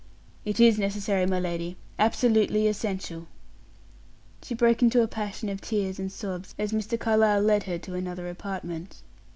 "It is necessary, my lady absolutely essential." She broke into a passion of tears and sobs as Mr. Carlyle lead her to another apartment.